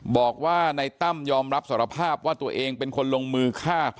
บอกว่าในตั้มยอมรับสารภาพว่าตัวเองเป็นคนลงมือฆ่า